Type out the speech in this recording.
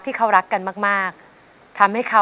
ที่เขารักกันมากทำให้